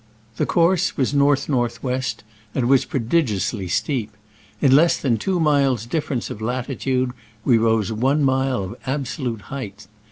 The course was north north west, and was prodigiously steep. In less than two miles difference of latitude we rose one mile of absolute height.